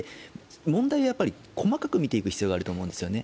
問題を細かく見ていく必要があると思うんですね。